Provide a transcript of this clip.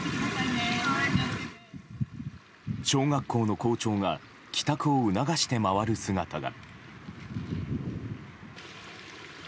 小学校の校長が帰宅を促して回る姿が。